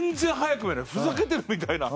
ふざけてるみたいな。